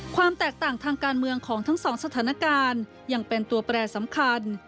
ความแตกต่างทางการเมืองของทั้งสองสถานการณ์ยังเป็นตัวแปรสำคัญ